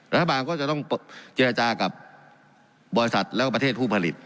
รัฐบาลก็จะต้องเจรจากับบริษัทแล้วก็ประเทศผู้ผลิต